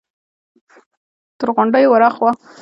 تر غونډيو ور هاخوا!